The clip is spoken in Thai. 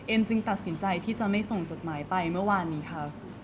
จึงตัดสินใจที่จะไม่ส่งจดหมายไปเมื่อวานนี้ค่ะ